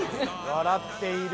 笑っている。